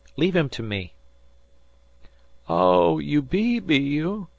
Leave him to me." "Oh, you be, be you?"